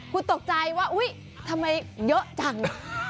คุณตกใจว่าอุ๊ยทำไมเยอะจัง